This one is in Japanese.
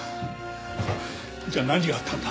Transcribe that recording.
じゃあ何があったんだ？